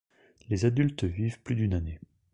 Les adultes vivent plus d'une année.